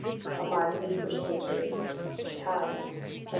"A Monument for Scutari," Times, Sept.